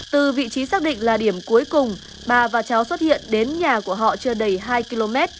từ vị trí xác định là điểm cuối cùng bà và cháu xuất hiện đến nhà của họ chưa đầy hai km